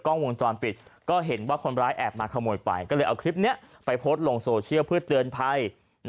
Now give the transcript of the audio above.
ก็เลยเอาคลิปนี้ไปโพสต์ลงโซเชียลเพื่อเตือนภัย